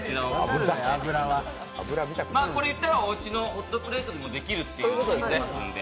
これ言ったら、おうちのホットプレートでもできますので。